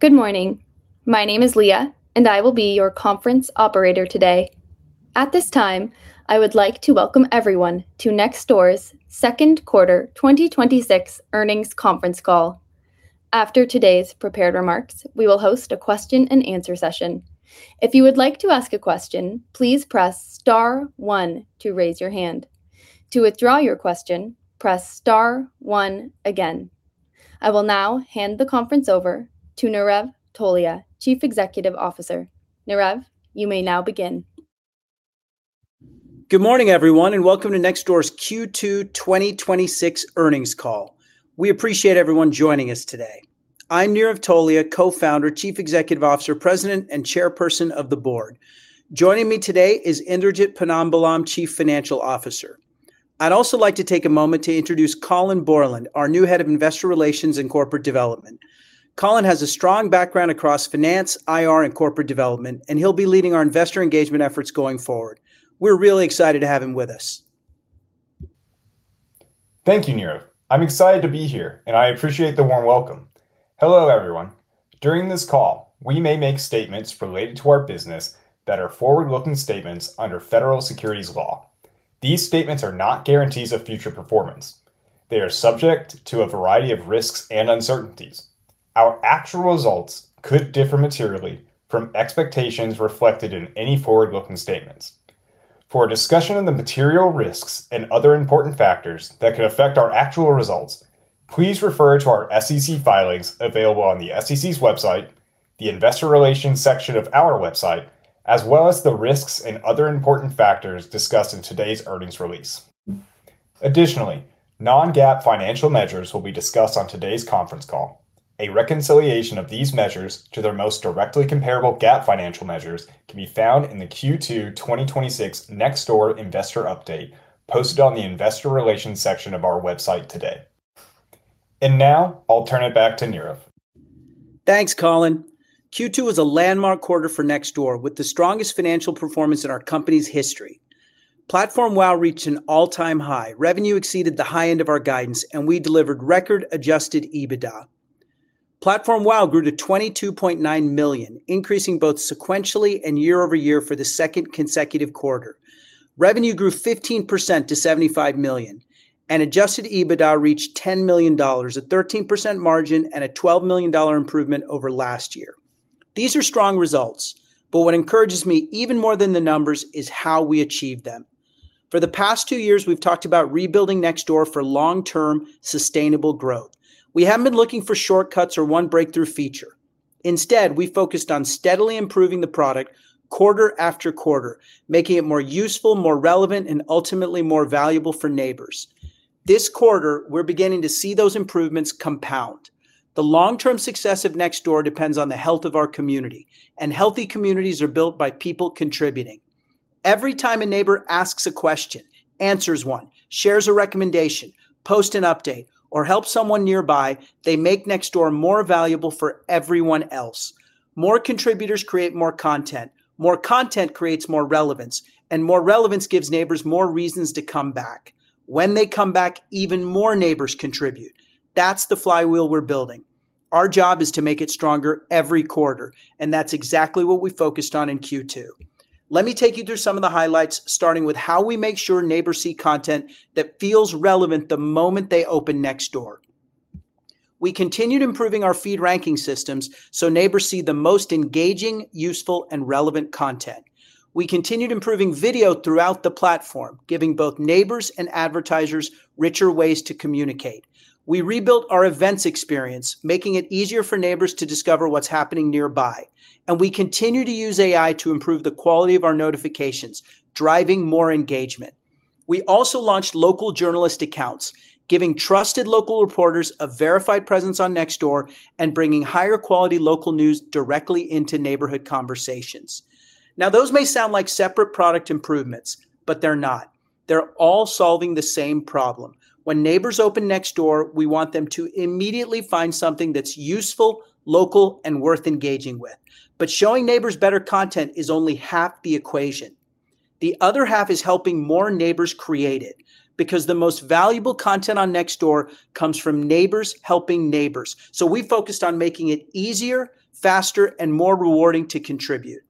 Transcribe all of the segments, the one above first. Good morning. My name is Leah, and I will be your conference operator today. At this time, I would like to welcome everyone to Nextdoor's second quarter 2026 earnings conference call. After today's prepared remarks, we will host a question and answer session. If you would like to ask a question, please press star one to raise your hand. To withdraw your question, press star one again. I will now hand the conference over to Nirav Tolia, Chief Executive Officer. Nirav, you may now begin. Good morning, everyone, and welcome to Nextdoor's Q2 2026 earnings call. We appreciate everyone joining us today. I'm Nirav Tolia, Co-founder, Chief Executive Officer, President, and Chairperson of the Board. Joining me today is Indrajit Ponnambalam, Chief Financial Officer. I'd also like to take a moment to introduce Colin Bourland, our new Head of Investor Relations and Corporate Development. Colin has a strong background across finance, IR, and corporate development. He'll be leading our investor engagement efforts going forward. We're really excited to have him with us. Thank you, Nirav. I'm excited to be here. I appreciate the warm welcome. Hello, everyone. During this call, we may make statements related to our business that are forward-looking statements under federal securities law. These statements are not guarantees of future performance. They are subject to a variety of risks and uncertainties. Our actual results could differ materially from expectations reflected in any forward-looking statements. For a discussion of the material risks and other important factors that could affect our actual results, please refer to our SEC filings available on the SEC's website, the investor relations section of our website, as well as the risks and other important factors discussed in today's earnings release. Additionally, non-GAAP financial measures will be discussed on today's conference call. A reconciliation of these measures to their most directly comparable GAAP financial measures can be found in the Q2 2026 Nextdoor investor update posted on the investor relations section of our website today. Now I'll turn it back to Nirav. Thanks, Colin. Q2 was a landmark quarter for Nextdoor, with the strongest financial performance in our company's history. Platform WAU reached an all-time high. Revenue exceeded the high end of our guidance, and we delivered record adjusted EBITDA. Platform WAU grew to 22.9 million, increasing both sequentially and year-over-year for the second consecutive quarter. Revenue grew 15% to $75 million, and adjusted EBITDA reached $10 million, a 13% margin and a $12 million improvement over last year. These are strong results, but what encourages me even more than the numbers is how we achieved them. For the past two years, we've talked about rebuilding Nextdoor for long-term, sustainable growth. We haven't been looking for shortcuts or one breakthrough feature. Instead, we focused on steadily improving the product quarter after quarter, making it more useful, more relevant, and ultimately more valuable for neighbors. This quarter, we're beginning to see those improvements compound. The long-term success of Nextdoor depends on the health of our community, and healthy communities are built by people contributing. Every time a neighbor asks a question, answers one, shares a recommendation, posts an update, or helps someone nearby, they make Nextdoor more valuable for everyone else. More contributors create more content. More content creates more relevance. More relevance gives neighbors more reasons to come back. When they come back, even more neighbors contribute. That's the flywheel we're building. Our job is to make it stronger every quarter. That's exactly what we focused on in Q2. Let me take you through some of the highlights, starting with how we make sure neighbors see content that feels relevant the moment they open Nextdoor. We continued improving our feed ranking systems so neighbors see the most engaging, useful, and relevant content. We continued improving video throughout the platform, giving both neighbors and advertisers richer ways to communicate. We rebuilt our events experience, making it easier for neighbors to discover what's happening nearby. We continue to use AI to improve the quality of our notifications, driving more engagement. We also launched local journalist accounts, giving trusted local reporters a verified presence on Nextdoor and bringing higher-quality local news directly into neighborhood conversations. Those may sound like separate product improvements, but they're not. They're all solving the same problem. When neighbors open Nextdoor, we want them to immediately find something that's useful, local, and worth engaging with. Showing neighbors better content is only half the equation. The other half is helping more neighbors create it because the most valuable content on Nextdoor comes from neighbors helping neighbors. We focused on making it easier, faster, and more rewarding to contribute.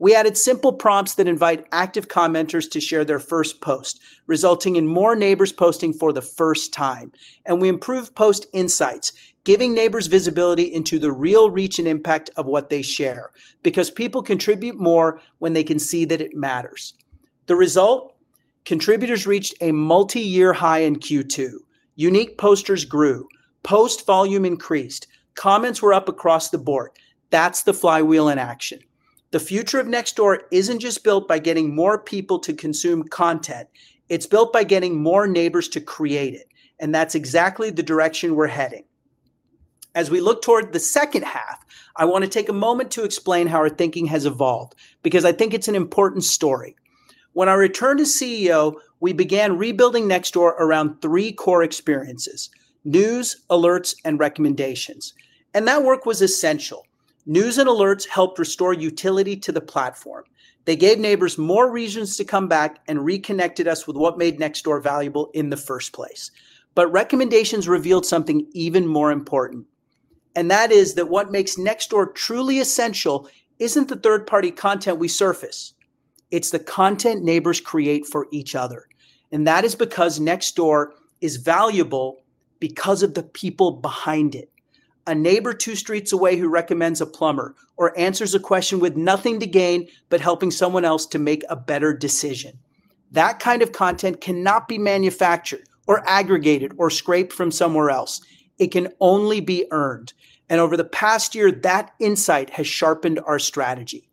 We added simple prompts that invite active commenters to share their first post, resulting in more neighbors posting for the first time. We improved post insights, giving neighbors visibility into the real reach and impact of what they share because people contribute more when they can see that it matters. The result, contributors reached a multiyear high in Q2. Unique posters grew. Post volume increased. Comments were up across the board. That's the flywheel in action. The future of Nextdoor isn't just built by getting more people to consume content. It's built by getting more neighbors to create it. That's exactly the direction we're heading. As we look toward the second half, I want to take a moment to explain how our thinking has evolved because I think it's an important story. When I returned as CEO, we began rebuilding Nextdoor around three core experiences, news, alerts, and recommendations, and that work was essential. News and alerts helped restore utility to the platform. They gave neighbors more reasons to come back and reconnected us with what made Nextdoor valuable in the first place. Recommendations revealed something even more important. That is that what makes Nextdoor truly essential isn't the third-party content we surface. It's the content neighbors create for each other. That is because Nextdoor is valuable because of the people behind it. A neighbor two streets away who recommends a plumber or answers a question with nothing to gain but helping someone else to make a better decision. That kind of content cannot be manufactured or aggregated or scraped from somewhere else. It can only be earned. Over the past year, that insight has sharpened our strategy.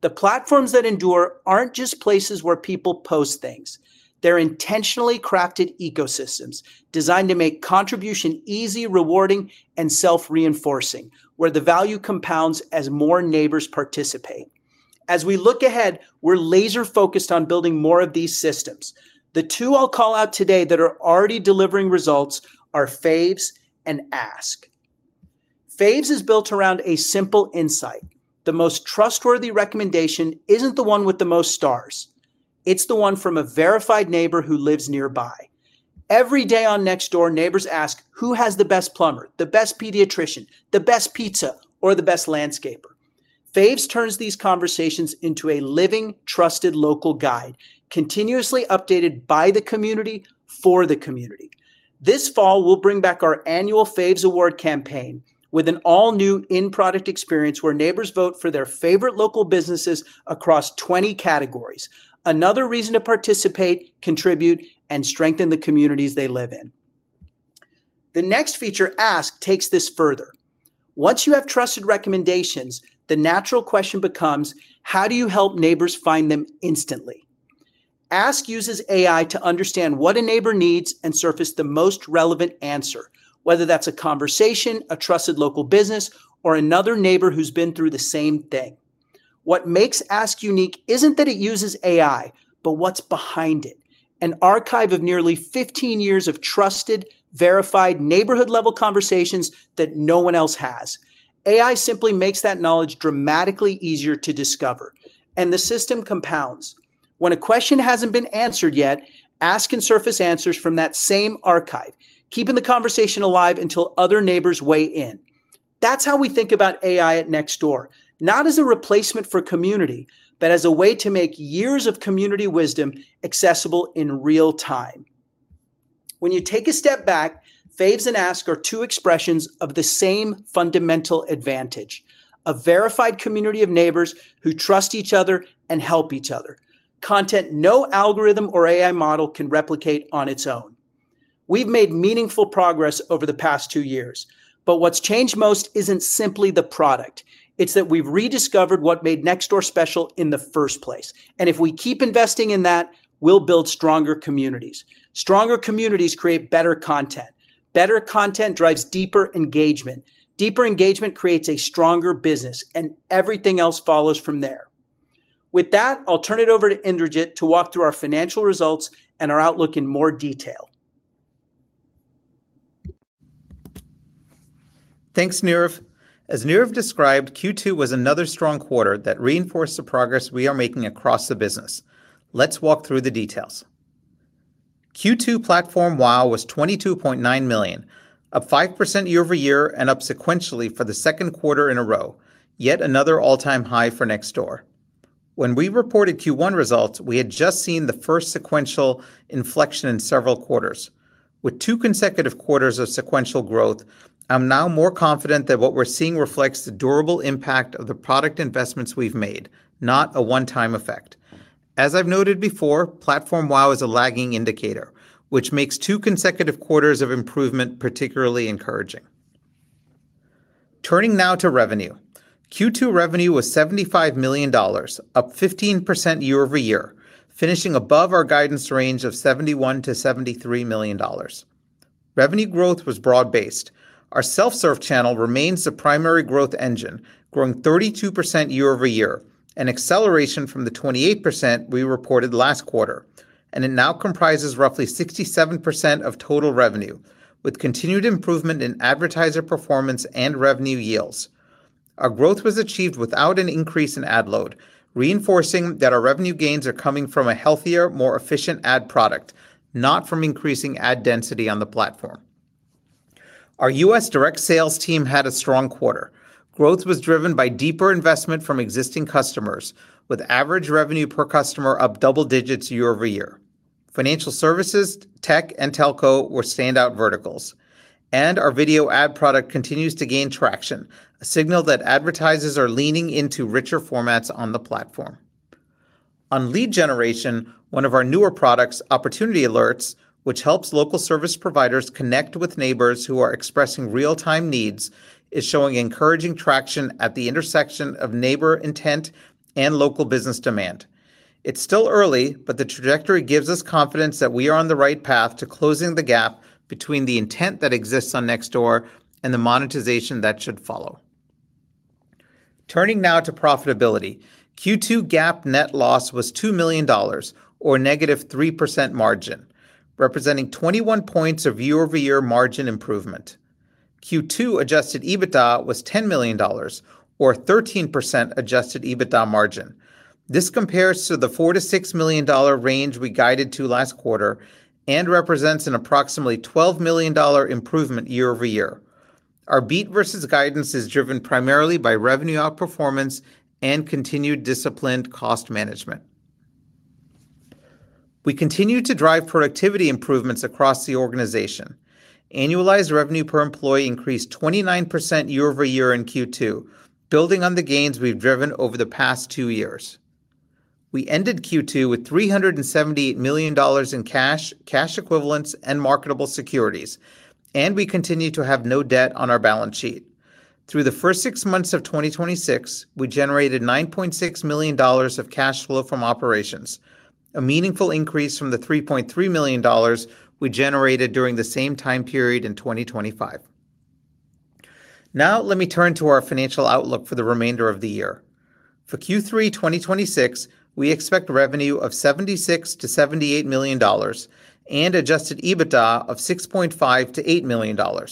The platforms that endure aren't just places where people post things. They're intentionally crafted ecosystems designed to make contribution easy, rewarding, and self-reinforcing, where the value compounds as more neighbors participate. As we look ahead, we're laser-focused on building more of these systems. The two I'll call out today that are already delivering results are Faves and Ask. Faves is built around a simple insight. The most trustworthy recommendation isn't the one with the most stars. It's the one from a verified neighbor who lives nearby. Every day on Nextdoor, neighbors ask who has the best plumber, the best pediatrician, the best pizza, or the best landscaper. Faves turns these conversations into a living, trusted local guide, continuously updated by the community for the community. This fall, we'll bring back our annual Fave Awards campaign with an all-new in-product experience where neighbors vote for their favorite local businesses across 20 categories. Another reason to participate, contribute, and strengthen the communities they live in. The next feature, Ask, takes this further. Once you have trusted recommendations, the natural question becomes how do you help neighbors find them instantly? Ask uses AI to understand what a neighbor needs and surface the most relevant answer, whether that's a conversation, a trusted local business, or another neighbor who's been through the same thing. What makes Ask unique isn't that it uses AI, but what's behind it. An archive of nearly 15 years of trusted, verified, neighborhood-level conversations that no one else has. AI simply makes that knowledge dramatically easier to discover, and the system compounds. When a question hasn't been answered yet, Ask can surface answers from that same archive, keeping the conversation alive until other neighbors weigh in. That's how we think about AI at Nextdoor. Not as a replacement for community, but as a way to make years of community wisdom accessible in real-time. When you take a step back, Faves and Ask are two expressions of the same fundamental advantage. A verified community of neighbors who trust each other and help each other. Content no algorithm or AI model can replicate on its own. We've made meaningful progress over the past two years, but what's changed most isn't simply the product. It's that we've rediscovered what made Nextdoor special in the first place. If we keep investing in that, we'll build stronger communities. Stronger communities create better content. Better content drives deeper engagement. Deeper engagement creates a stronger business. Everything else follows from there. With that, I'll turn it over to Indrajit to walk through our financial results and our outlook in more detail. Thanks, Nirav. As Nirav described, Q2 was another strong quarter that reinforced the progress we are making across the business. Let's walk through the details. Q2 platform WAU was $22.9 million, up 5% year-over-year and up sequentially for the second quarter in a row. Yet another all-time high for Nextdoor. When we reported Q1 results, we had just seen the first sequential inflection in several quarters. With two consecutive quarters of sequential growth, I'm now more confident that what we're seeing reflects the durable impact of the product investments we've made, not a one-time effect. As I've noted before, platform WAU is a lagging indicator, which makes two consecutive quarters of improvement particularly encouraging. Turning now to revenue. Q2 revenue was $75 million, up 15% year-over-year, finishing above our guidance range of $71 million-$73 million. Revenue growth was broad-based. Our self-serve channel remains the primary growth engine, growing 32% year-over-year, an acceleration from the 28% we reported last quarter. It now comprises roughly 67% of total revenue, with continued improvement in advertiser performance and revenue yields. Our growth was achieved without an increase in ad load, reinforcing that our revenue gains are coming from a healthier, more efficient ad product, not from increasing ad density on the platform. Our U.S. direct sales team had a strong quarter. Growth was driven by deeper investment from existing customers, with average revenue per customer up double digits year-over-year. Financial services, tech, and telco were standout verticals. Our video ad product continues to gain traction, a signal that advertisers are leaning into richer formats on the platform. On lead generation, one of our newer products, Opportunity Alerts, which helps local service providers connect with neighbors who are expressing real-time needs, is showing encouraging traction at the intersection of neighbor intent and local business demand. It's still early, but the trajectory gives us confidence that we are on the right path to closing the gap between the intent that exists on Nextdoor and the monetization that should follow. Turning now to profitability. Q2 GAAP net loss was $2 million, or -3% margin, representing 21 points of year-over-year margin improvement. Q2 adjusted EBITDA was $10 million, or 13% adjusted EBITDA margin. This compares to the $4 million-$6 million range we guided to last quarter and represents an approximately $12 million improvement year-over-year. Our beat versus guidance is driven primarily by revenue outperformance and continued disciplined cost management. We continue to drive productivity improvements across the organization. Annualized revenue per employee increased 29% year-over-year in Q2, building on the gains we've driven over the past two years. We ended Q2 with $378 million in cash equivalents, and marketable securities, and we continue to have no debt on our balance sheet. Through the first six months of 2026, we generated $9.6 million of cash flow from operations, a meaningful increase from the $3.3 million we generated during the same time period in 2025. Let me turn to our financial outlook for the remainder of the year. For Q3 2026, we expect revenue of $76 million-$78 million, and adjusted EBITDA of $6.5 million-$8 million.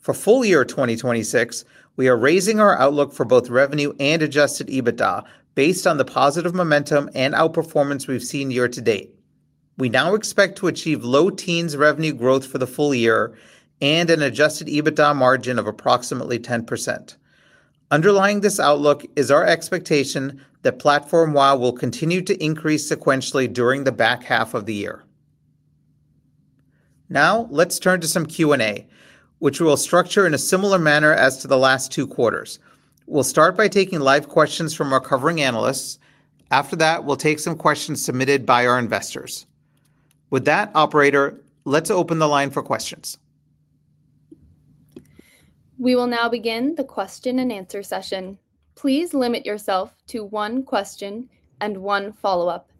For full year 2026, we are raising our outlook for both revenue and adjusted EBITDA based on the positive momentum and outperformance we've seen year to date. We now expect to achieve low teens revenue growth for the full year and an adjusted EBITDA margin of approximately 10%. Underlying this outlook is our expectation that platform WAU will continue to increase sequentially during the back half of the year. Let's turn to some Q&A, which we'll structure in a similar manner as to the last two quarters. We'll start by taking live questions from our covering analysts. After that, we'll take some questions submitted by our investors. With that, Operator, let's open the line for questions. We will now begin the question and answer session. Please limit yourself to one question and one follow-up.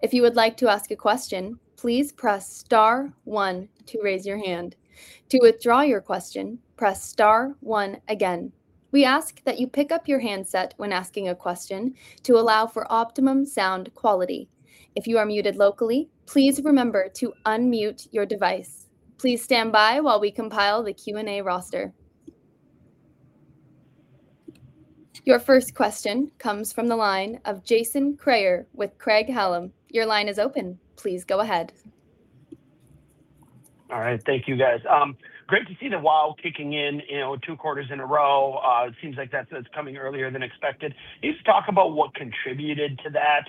If you would like to ask a question, please press star one to raise your hand. To withdraw your question, press star one again. We ask that you pick up your handset when asking a question to allow for optimum sound quality. If you are muted locally, please remember to unmute your device. Please stand by while we compile the Q&A roster. Your first question comes from the line of Jason Kreyer with Craig-Hallum. Your line is open. Please go ahead. All right. Thank you, guys. Great to see the WAU kicking in two quarters in a row. It seems like that's coming earlier than expected. Can you just talk about what contributed to that?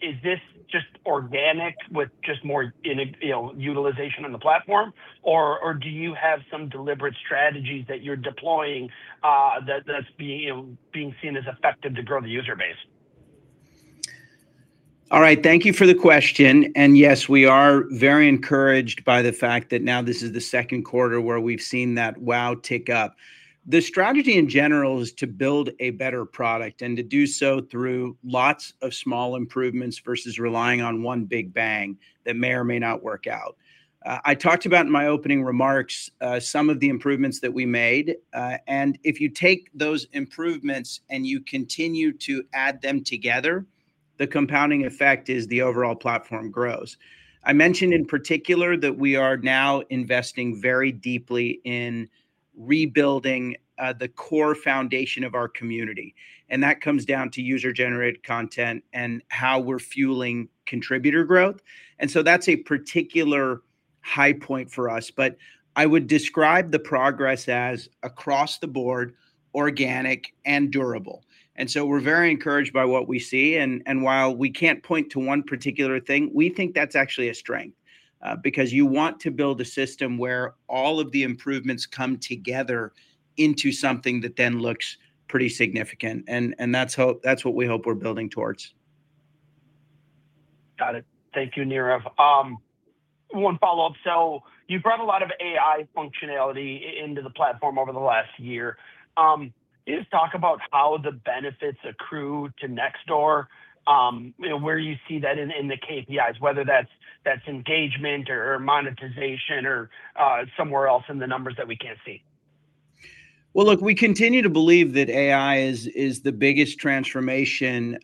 Is this just organic with just more utilization on the platform, or do you have some deliberate strategies that you're deploying that's being seen as effective to grow the user base? All right. Thank you for the question. Yes, we are very encouraged by the fact that now this is the second quarter where we've seen that WAU tick up. The strategy in general is to build a better product and to do so through lots of small improvements versus relying on one big bang that may or may not work out. I talked about in my opening remarks some of the improvements that we made. If you take those improvements and you continue to add them together, the compounding effect is the overall platform grows. I mentioned in particular that we are now investing very deeply in rebuilding the core foundation of our community, and that comes down to user-generated content and how we're fueling contributor growth. That's a particular high point for us. I would describe the progress as across the board, organic, and durable. We're very encouraged by what we see. While we can't point to one particular thing, we think that's actually a strength. Because you want to build a system where all of the improvements come together into something that then looks pretty significant. That's what we hope we're building towards. Got it. Thank you, Nirav. One follow-up. You've brought a lot of AI functionality into the platform over the last year. Can you just talk about how the benefits accrue to Nextdoor? Where you see that in the KPIs, whether that's engagement or monetization or somewhere else in the numbers that we can't see? Well, look, we continue to believe that AI is the biggest transformation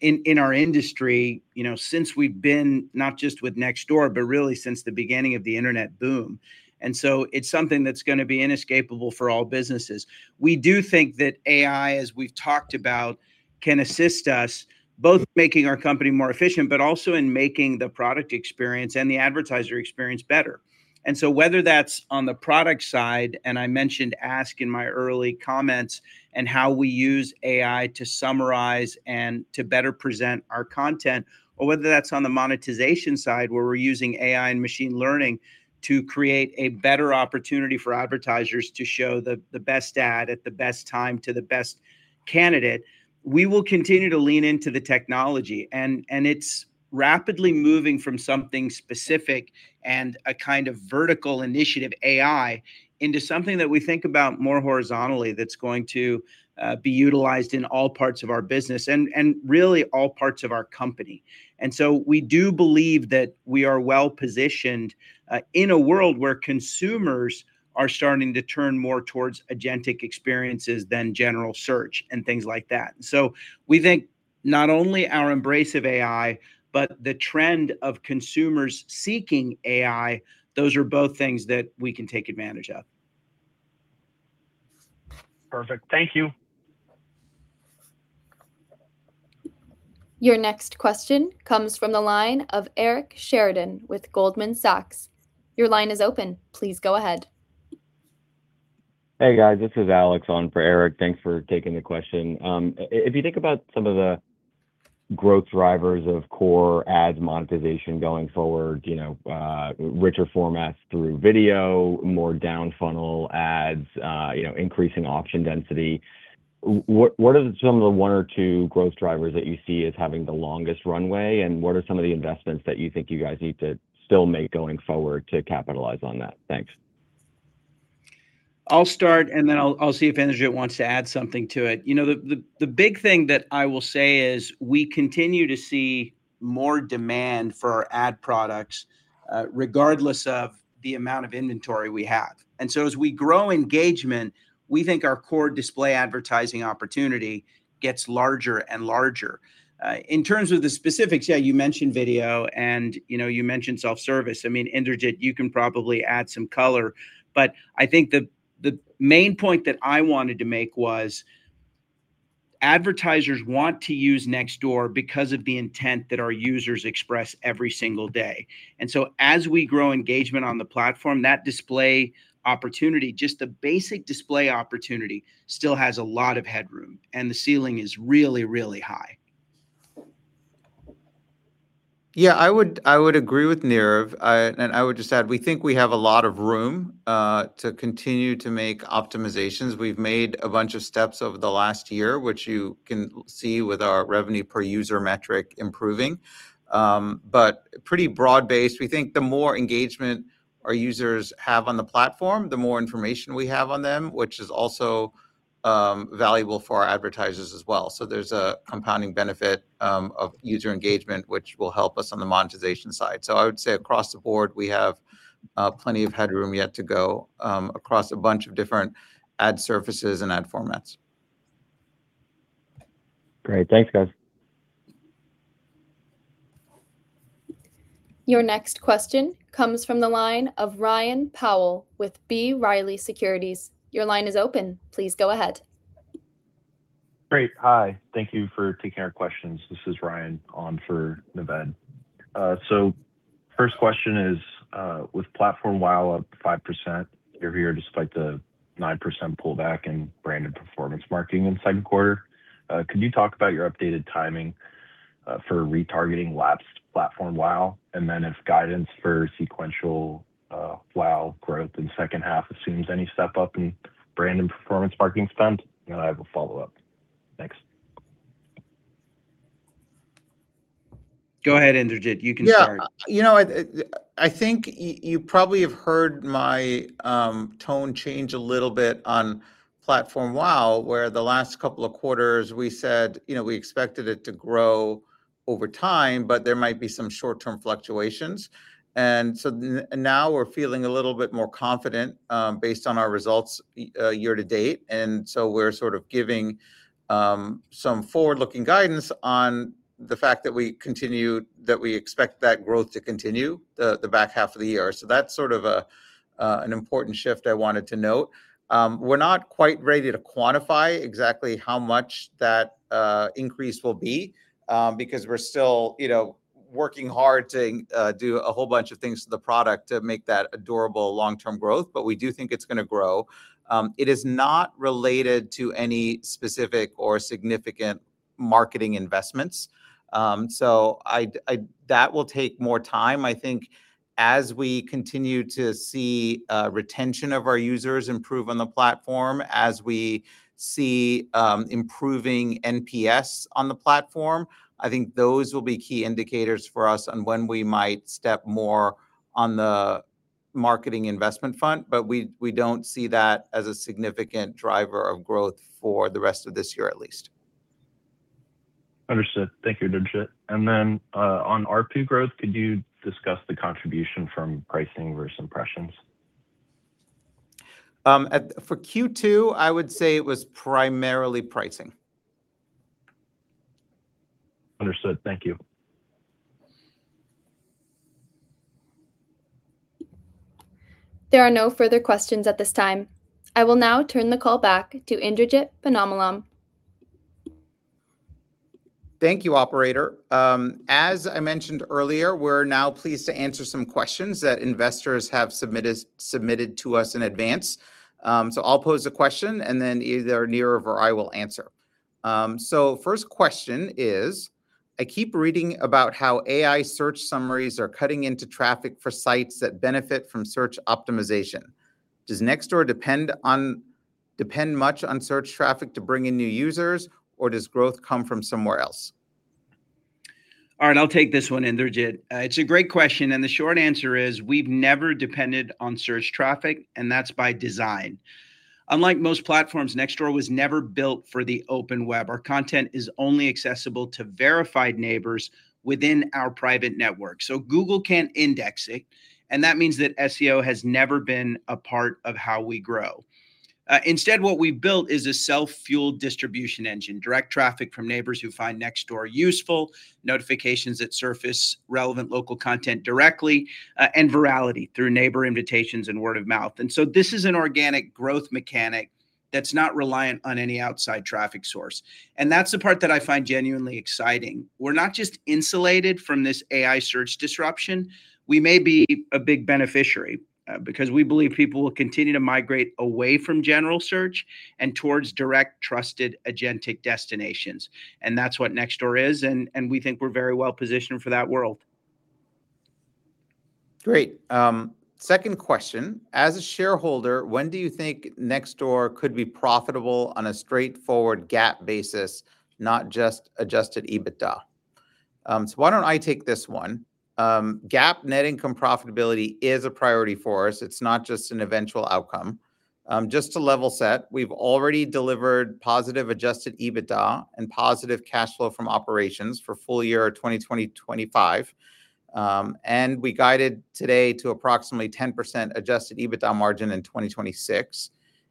in our industry since we've been not just with Nextdoor, but really since the beginning of the internet boom. It's something that's going to be inescapable for all businesses. We do think that AI, as we've talked about, can assist us both making our company more efficient, but also in making the product experience and the advertiser experience better. Whether that's on the product side, and I mentioned Ask in my early comments, and how we use AI to summarize and to better present our content, or whether that's on the monetization side, where we're using AI and machine learning to create a better opportunity for advertisers to show the best ad at the best time to the best candidate. We will continue to lean into the technology, it's rapidly moving from something specific and a kind of vertical initiative AI into something that we think about more horizontally that's going to be utilized in all parts of our business and really all parts of our company. We do believe that we are well-positioned in a world where consumers are starting to turn more towards agentic experiences than general search and things like that. We think not only our embrace of AI, but the trend of consumers seeking AI, those are both things that we can take advantage of. Perfect. Thank you. Your next question comes from the line of Eric Sheridan with Goldman Sachs. Your line is open. Please go ahead. Hey, guys. This is Alex on for Eric. Thanks for taking the question. If you think about some of the growth drivers of core ads monetization going forward, richer formats through video, more down-funnel ads, increasing auction density, what are some of the one or two growth drivers that you see as having the longest runway, and what are some of the investments that you think you guys need to still make going forward to capitalize on that? Thanks. I'll start, then I'll see if Indrajit wants to add something to it. The big thing that I will say is we continue to see more demand for our ad products regardless of the amount of inventory we have. As we grow engagement, we think our core display advertising opportunity gets larger and larger. In terms of the specifics, yeah, you mentioned video and you mentioned self-service. Indrajit, you can probably add some color, but I think the main point that I wanted to make was advertisers want to use Nextdoor because of the intent that our users express every single day. As we grow engagement on the platform, that display opportunity, just the basic display opportunity, still has a lot of headroom, and the ceiling is really, really high. Yeah, I would agree with Nirav, and I would just add, we think we have a lot of room to continue to make optimizations. We've made a bunch of steps over the last year, which you can see with our revenue per user metric improving. Pretty broad-based. We think the more engagement our users have on the platform, the more information we have on them, which is also valuable for our advertisers as well. There's a compounding benefit of user engagement, which will help us on the monetization side. I would say across the board, we have plenty of headroom yet to go across a bunch of different ad surfaces and ad formats. Great. Thanks, guys. Your next question comes from the line of Ryan Powell with B. Riley Securities. Your line is open. Please go ahead. Great. Hi. Thank you for taking our questions. This is Ryan on for Naved. First question is, with platform WAU up 5% year-over-year despite the 9% pullback in branded performance marketing in the second quarter, could you talk about your updated timing for retargeting lapsed platform WAU? If guidance for sequential WAU growth in the second half assumes any step-up in brand and performance marketing spend? I have a follow-up. Thanks. Go ahead, Indrajit. You can start. Yeah. I think you probably have heard my tone change a little bit on platform WAU, where the last couple of quarters we said we expected it to grow over time, but there might be some short-term fluctuations. Now we're feeling a little bit more confident based on our results year to date, so we're sort of giving some forward-looking guidance on the fact that we expect that growth to continue the back half of the year. That's sort of an important shift I wanted to note. We're not quite ready to quantify exactly how much that increase will be, because we're still working hard to do a whole bunch of things to the product to make that a durable long-term growth, but we do think it's going to grow. It is not related to any specific or significant marketing investments. That will take more time. I think as we continue to see retention of our users improve on the platform, as we see improving NPS on the platform, I think those will be key indicators for us on when we might step more on the marketing investment front. We don't see that as a significant driver of growth for the rest of this year, at least. Understood. Thank you, Indrajit. On ARPU growth, could you discuss the contribution from pricing versus impressions? For Q2, I would say it was primarily pricing. Understood. Thank you. There are no further questions at this time. I will now turn the call back to Indrajit Ponnambalam. Thank you, operator. As I mentioned earlier, we're now pleased to answer some questions that investors have submitted to us in advance. I'll pose a question, and then either Nirav or I will answer. First question is, I keep reading about how AI search summaries are cutting into traffic for sites that benefit from search optimization. Does Nextdoor depend much on search traffic to bring in new users, or does growth come from somewhere else? All right. I'll take this one, Indrajit. It's a great question, the short answer is we've never depended on search traffic, and that's by design. Unlike most platforms, Nextdoor was never built for the open web. Our content is only accessible to verified neighbors within our private network. Google can't index it, and that means that SEO has never been a part of how we grow. Instead, what we've built is a self-fueled distribution engine, direct traffic from neighbors who find Nextdoor useful, notifications that surface relevant local content directly, virality through neighbor invitations and word of mouth. This is an organic growth mechanic That's not reliant on any outside traffic source. That's the part that I find genuinely exciting. We're not just insulated from this AI search disruption. We may be a big beneficiary, because we believe people will continue to migrate away from general search and towards direct trusted agentic destinations. That's what Nextdoor is, we think we're very well-positioned for that world. Great. Second question. As a shareholder, when do you think Nextdoor could be profitable on a straightforward GAAP basis, not just adjusted EBITDA? Why don't I take this one? GAAP net income profitability is a priority for us. It's not just an eventual outcome. Just to level set, we've already delivered positive adjusted EBITDA and positive cash flow from operations for full year 2025. We guided today to approximately 10% adjusted EBITDA margin in 2026.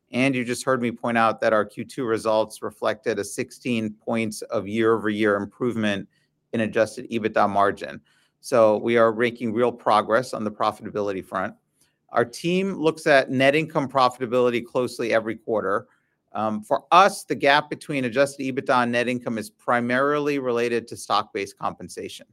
You just heard me point out that our Q2 results reflected a 16 points of year-over-year improvement in adjusted EBITDA margin. We are making real progress on the profitability front. Our team looks at net income profitability closely every quarter. For us, the gap between adjusted EBITDA and net income is primarily related to stock-based compensation.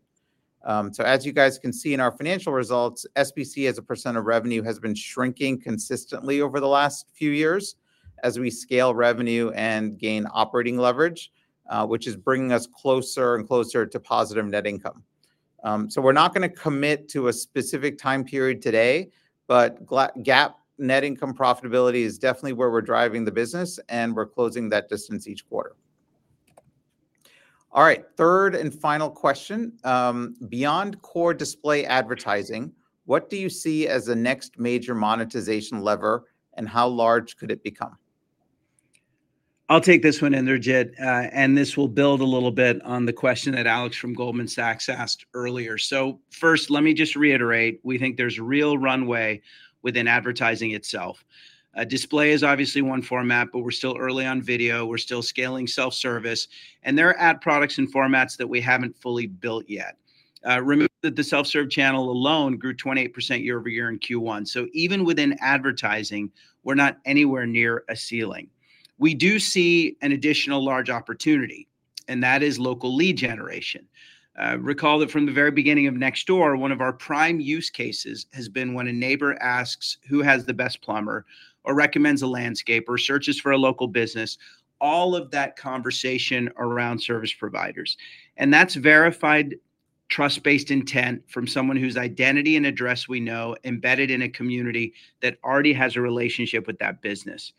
As you guys can see in our financial results, SBC as a percent of revenue has been shrinking consistently over the last few years as we scale revenue and gain operating leverage, which is bringing us closer and closer to positive net income. We're not going to commit to a specific time period today, but GAAP net income profitability is definitely where we're driving the business, and we're closing that distance each quarter. All right. Third and final question. Beyond core display advertising, what do you see as the next major monetization lever, and how large could it become? I'll take this one, Indrajit. This will build a little bit on the question that Alex from Goldman Sachs asked earlier. First, let me just reiterate, we think there's real runway within advertising itself. Display is obviously one format, but we're still early on video. We're still scaling self-service, and there are ad products and formats that we haven't fully built yet. Remember that the self-serve channel alone grew 28% year-over-year in Q1. Even within advertising, we're not anywhere near a ceiling. We do see an additional large opportunity, and that is local lead generation. Recall that from the very beginning of Nextdoor, one of our prime use cases has been when a neighbor asks who has the best plumber or recommends a landscaper, searches for a local business, all of that conversation around service providers. That's verified trust-based intent from someone whose identity and address we know embedded in a community that already has a relationship with that business.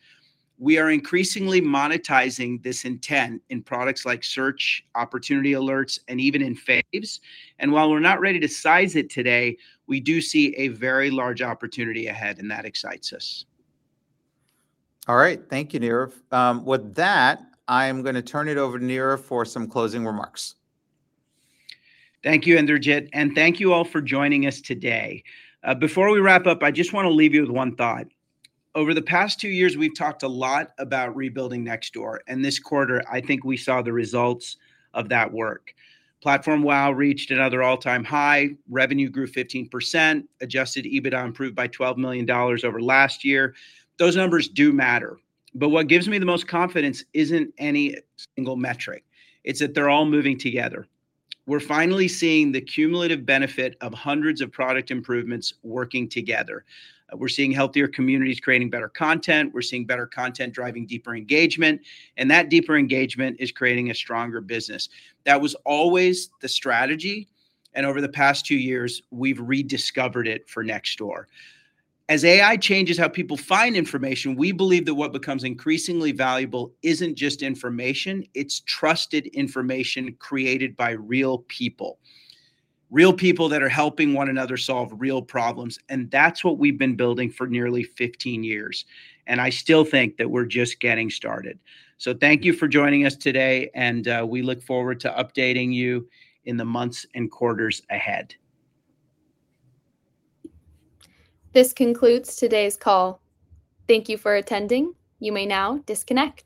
We are increasingly monetizing this intent in products like search, Opportunity Alerts, and even in Faves. While we're not ready to size it today, we do see a very large opportunity ahead, and that excites us. All right. Thank you, Nirav. With that, I am going to turn it over to Nirav for some closing remarks. Thank you, Indrajit, and thank you all for joining us today. Before we wrap up, I just want to leave you with one thought. Over the past two years, we've talked a lot about rebuilding Nextdoor, and this quarter I think we saw the results of that work. Platform WAU reached another all-time high. Revenue grew 15%. Adjusted EBITDA improved by $12 million over last year. Those numbers do matter. What gives me the most confidence isn't any single metric. It's that they're all moving together. We're finally seeing the cumulative benefit of hundreds of product improvements working together. We're seeing healthier communities creating better content. We're seeing better content driving deeper engagement, that deeper engagement is creating a stronger business. That was always the strategy, over the past two years, we've rediscovered it for Nextdoor. As AI changes how people find information, we believe that what becomes increasingly valuable isn't just information, it's trusted information created by real people. Real people that are helping one another solve real problems, that's what we've been building for nearly 15 years. I still think that we're just getting started. Thank you for joining us today, and we look forward to updating you in the months and quarters ahead. This concludes today's call. Thank you for attending. You ma now disconnect.